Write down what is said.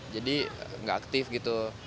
jadi nggak aktif gitu